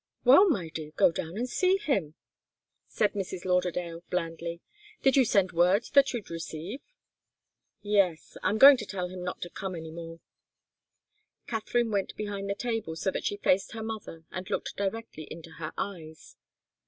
"Well, my dear, go down and see him," said Mrs. Lauderdale, blandly. "Did you send word that you'd receive?" "Yes. I'm going to tell him not to come any more." Katharine went behind the table, so that she faced her mother and looked directly into her eyes.